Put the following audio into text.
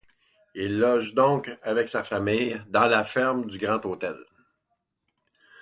Il loge donc avec sa famille dans la ferme du Grand Hôtel.